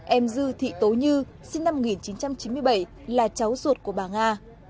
em dư thị tố như sinh năm một nghìn chín trăm chín mươi bảy là cháu ruột của bà nga